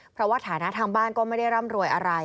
เพราะว่าฐานะทางบ้านก็ไม่ได้ร่ำรวยอะไร